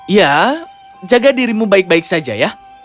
ya jaga dirimu baik baik saja ya